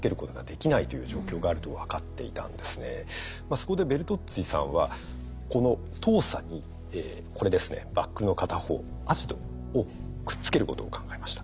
そこでベルトッツィさんはこの糖鎖にこれですねバックルの片方アジドをくっつけることを考えました。